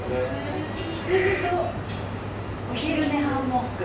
羊とお昼寝ハンモック。